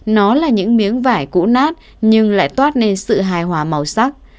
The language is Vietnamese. nó là những miếng vải cũ nát nhưng lại toát nên sự hài hòa màu sắc